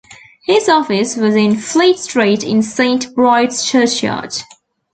His office was in Fleet Street in Saint Bride's churchyard.